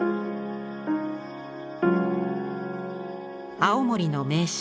青森の名勝